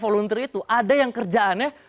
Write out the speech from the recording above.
volunteer itu ada yang kerjaannya